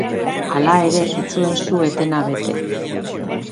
Hala ere, ez zuen su-etena bete.